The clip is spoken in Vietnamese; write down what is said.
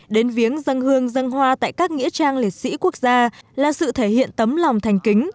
đến viếng dân hương dân hoa tại các nghĩa trang liệt sĩ quốc gia là sự thể hiện tấm lòng thành kính